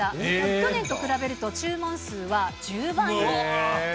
去年と比べると、注文数は１０倍に。